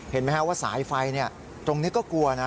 เห็นไหมครับว่าสายไฟตรงนี้ก็กลัวนะ